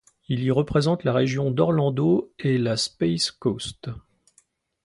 Il y représente la région d'Orlando et la Space Coast.